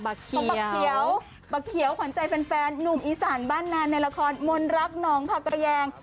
ของปักเขียวบักเขียวขวัญใจแฟนหนุ่มอีสานบ้านนานในละครมนรักหนองผักกระแยง